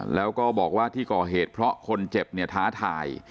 แล้วก็บอกว่าที่ก่อเหตุเพราะคนเจ็บเนี่ยท้าทาย